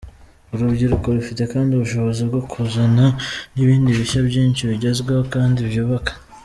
Urubyiruko rufite kandi ubushobozi bwo kuzana n’ibindi bishya byinshi bigezweho kandi byubaka.